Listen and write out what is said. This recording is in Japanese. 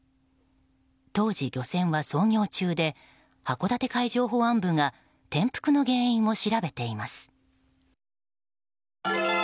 当時、漁船は操業中で函館海上保安部が転覆の原因を調べています。